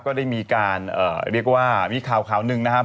ก็ได้มีการเรียกว่ามีข่าวข่าวหนึ่งนะครับ